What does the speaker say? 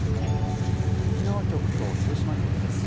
沖縄局と広島局です。